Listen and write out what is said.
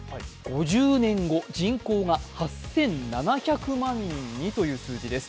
５０年後、人口が８７００万人にという数字です。